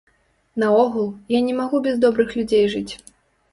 Наогул, я не магу без добрых людзей жыць.